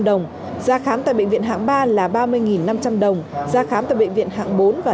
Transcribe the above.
ba mươi bốn năm trăm linh đồng giá khám tại bệnh viện hạng ba là ba mươi năm trăm linh đồng giá khám tại bệnh viện hạng bốn và